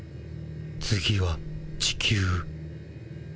次は地球。